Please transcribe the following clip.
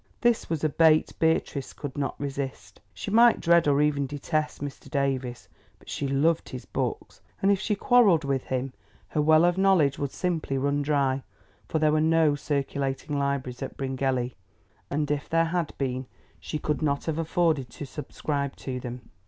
This was a bait Beatrice could not resist. She might dread or even detest Mr. Davies, but she loved his books, and if she quarrelled with him her well of knowledge would simply run dry, for there were no circulating libraries at Bryngelly, and if there had been she could not have afforded to subscribe to them.